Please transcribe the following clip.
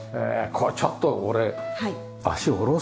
これちょっと俺足下ろすわ。